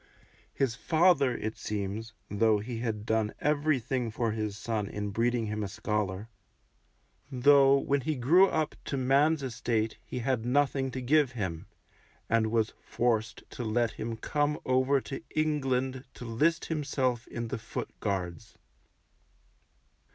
His father, it seems, though he had done everything for his son in breeding him a scholar, though when he grew up to man's estate he had nothing to give him, and was forced to let him come over to England to list himself in the Foot Guards.